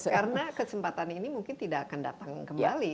karena kesempatan ini mungkin tidak akan datang kembali